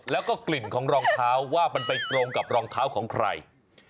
แล้วก็กลิ่นของรองเท้าว่ามันไปตรงกับรองเท้าของใคร